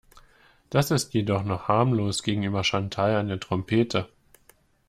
Das ist jedoch noch harmlos gegenüber Chantal an der Trompete.